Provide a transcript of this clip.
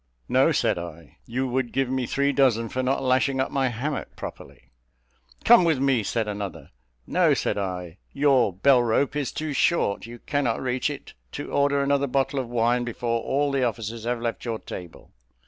"No," said I, "you would give me three dozen for not lashing up my hammock properly." "Come with me," said another. "No," said I, "your bell rope is too short you cannot reach it to order another bottle of wine before all the officers have left your table."